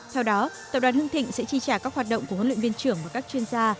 theo đó tập đoàn hưng thịnh sẽ chi trả các hoạt động của huấn luyện viên trưởng và các chuyên gia